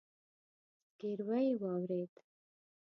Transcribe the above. ځګيروی يې واورېد.